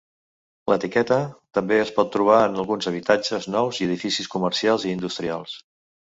L'etiqueta també es pot trobar en alguns habitatges nous i edificis comercials i industrials.